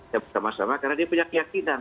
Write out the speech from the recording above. ya bersama sama karena dia punya keyakinan